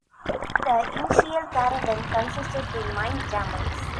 The initial caravan consisted of nine camels.